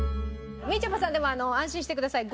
みちょぱさんでも安心してください。